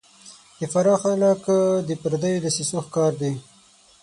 د فراه خلک د پردیو دسیسو ښکار دي